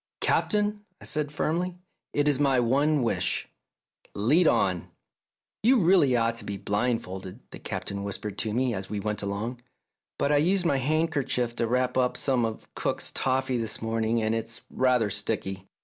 " Captain," I said firmly, " it is my one wish. Lead on !" "You ought really to be blindfolded," the Captain whispered to me as we went along, " but I used my handkerchief to wrap up some of cook's toffee this morning, and it's rather sticky."